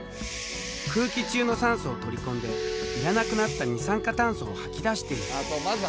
空気中の酸素を取り込んでいらなくなった二酸化炭素を吐き出している。